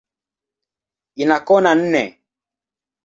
Ina kona nne.